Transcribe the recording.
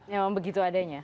memang begitu adanya